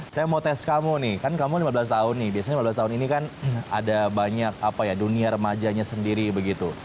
saya mau tes kamu nih kan kamu lima belas tahun nih biasanya lima belas tahun ini kan ada banyak apa ya dunia remajanya sendiri begitu